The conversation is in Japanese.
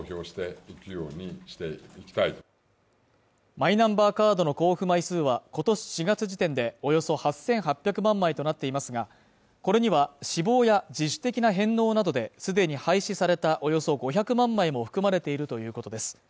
マイナンバーカードの交付枚数は、今年４月時点でおよそ８８００万枚となっていますが、これには死亡や自主的な返納などで既に廃止されたおよそ５００万枚も含まれているということです。